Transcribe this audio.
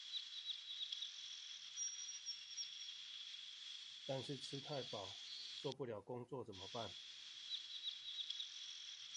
He worked as a lobbyist and adviser at Baker, Donelson, Bearman, Caldwell and Berkowitz.